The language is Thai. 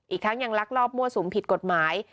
อีกทั้งยังลักลอบมั่วสุมผิดกฎหมาย